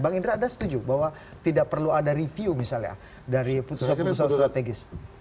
bang indra ada setuju bahwa tidak perlu ada review misalnya dari keputusan strategis